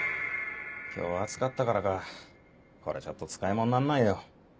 今日暑かったからかこりゃちょっと使い物になんないよ。